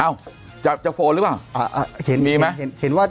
อ้าวจะโฟนหรือเปล่า